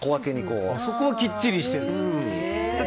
そこはきっちりしてるんだ。